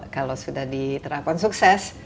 kalau sudah diterapkan sukses